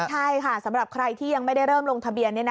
ใช่ค่ะสำหรับใครที่ยังไม่ได้เริ่มลงทะเบียน